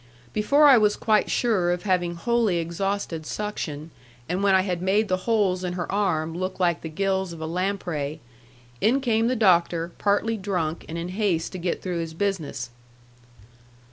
Before I was quite sure of having wholly exhausted suction, and when I had made the holes in her arm look like the gills of a lamprey, in came the doctor, partly drunk, and in haste to get through his business.